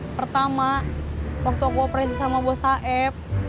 pertama waktu aku operasi sama bos aep